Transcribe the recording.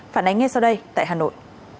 phản ánh ngay sau đây tại hà nội